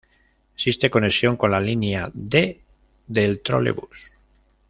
Existe conexión con la línea D del Trolebús.